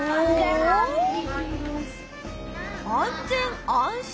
「安全・安心」？